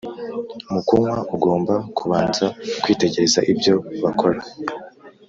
mu kunywa.ugomba kubanza kwitegereza ibyo bakora.